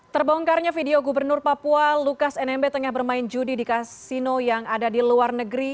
terbongkarnya video gubernur papua lukas nmb tengah bermain judi di kasino yang ada di luar negeri